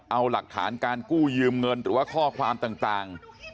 เอาหลักฐานการกู้ยืมเงินหรือว่าข้อความต่าง